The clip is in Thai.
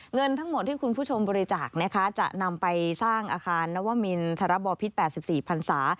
เงินทั้งหมดที่คุณผู้ชมบริจาคนะคะจะนำไปสร้างอาคารนวมินทรบอพิษ๘๔พันศา